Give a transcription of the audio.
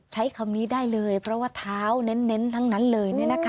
ใช้คำนี้ได้เลยเพราะว่าเท้าเน้นทั้งนั้นเลย